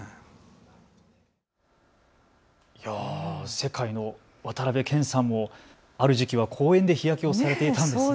世界の渡辺謙さんもある時期は公園で日焼けをされていたんですね。